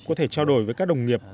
có thể trao đổi với các đồng nghiệp